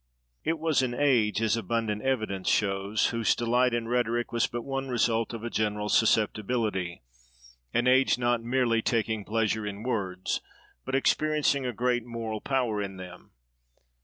It was an age, as abundant evidence shows, whose delight in rhetoric was but one result of a general susceptibility—an age not merely taking pleasure in words, but experiencing a great moral power in them.